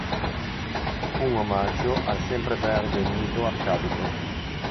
Un omaggio al sempreverde mito arcadico.